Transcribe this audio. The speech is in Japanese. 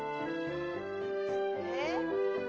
えっ？